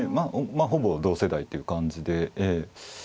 まあほぼ同世代っていう感じで。